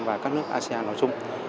và các nước asean nói chung